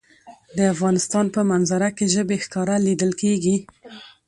د افغانستان په منظره کې ژبې ښکاره لیدل کېږي.